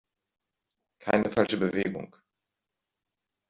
Keine falsche Bewegung!